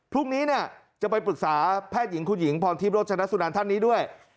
พรุ่งนี้เนี่ยจะไปปรึกษาแพทย์หญิงคุณหญิงพรทิพย์โรจนสุนันท่านนี้ด้วย